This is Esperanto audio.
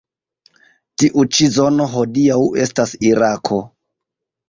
Tiu ĉi zono hodiaŭ estas Irako.